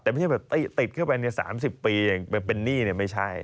แต่ไม่ใช่แบบติดเข้าไปเนี่ย๓๐ปีเป็นหนี้เนี่ยไม่ใช่